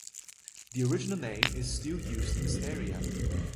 The original name is still used in the area.